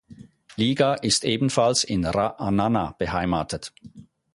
Liga, ist ebenfalls in Raʿanana beheimatet.